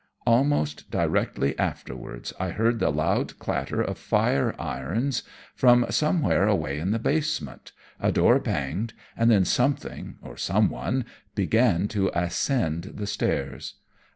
Almost directly afterwards I heard the loud clatter of fire irons from somewhere away in the basement, a door banged, and then something, or someone, began to ascend the stairs.